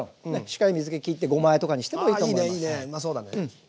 しっかり水けきってごまあえとかにしてもいいと思います。